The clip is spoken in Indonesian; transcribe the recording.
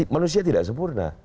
manusia tidak sempurna